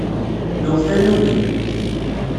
Nuɣ tannummi.